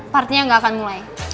partinya ga akan mulai